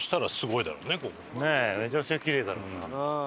めちゃくちゃきれいだろうな。